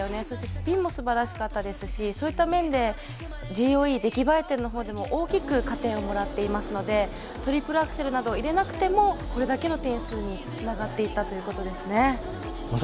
そしてスピンもすばらしかったですし、そういった意味でもＧＯＥでも大きく加点をもらっていますのでトリプルアクセルなど入れなくても、これだけの点数につながっていたということですね。